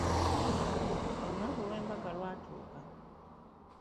Olunaku lw'embaga lwatuuka.